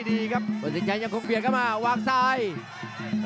มีเข้ามามาเรียกว่าก็จะพอ